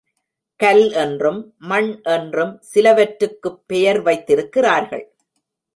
கல் என்றும், மண் என்றும் சிலவற்றுக்குப் பெயர் வைத்திருக்கிறார்கள்.